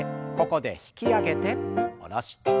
ここで引き上げて下ろして。